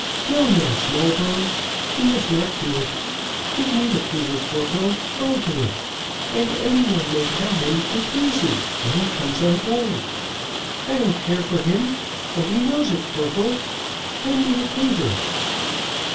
No, no, Smallbones you must not do it. Give me the cleaver, corporal, I'll do it; and anyone may tell him who pleases, when he comes on board. I don't care for him and he knows it, corporal. Hand me the cleaver."